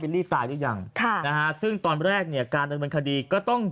ลี่ตายหรือยังค่ะนะฮะซึ่งตอนแรกเนี่ยการดำเนินคดีก็ต้อง